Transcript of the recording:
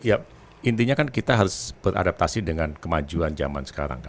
ya intinya kan kita harus beradaptasi dengan kemajuan zaman sekarang kan